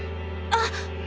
あっ！